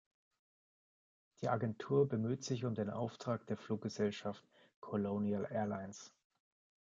Die Agentur bemüht sich um den Auftrag der Fluggesellschaft "Colonial Airlines".